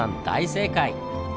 大正解！